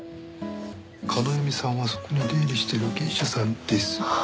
叶笑さんはそこに出入りしている芸者さんです。